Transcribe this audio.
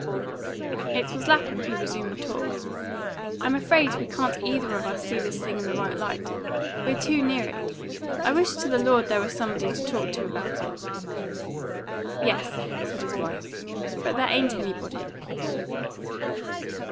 It was Lapham who resumed the talk. "I'm afraid we can't either of us see this thing in the right light. We're too near to it. I wish to the Lord there was somebody to talk to about it." "Yes," said his wife; "but there ain't anybody."